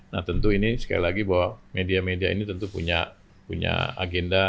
nah tentu ini sekali lagi bahwa media media ini tentu punya agenda